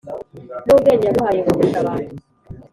n'ubwenge yaguhaye uburusha abantu.